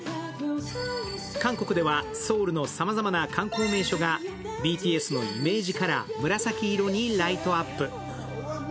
韓国ではソウルのさまざまな観光名所がＢＴＳのイメージカラー、紫色にライトアップ。